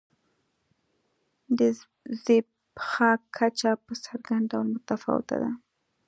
د زبېښاک کچه په څرګند ډول متفاوته ده.